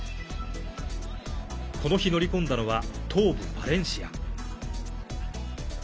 この日、乗り込んだのは東部バレンシア。